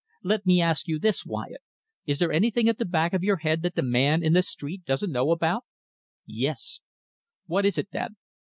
Let me ask you this, Wyatt. Is there anything at the back of your head that the man in the street doesn't know about?" "Yes!" "What is it, then?"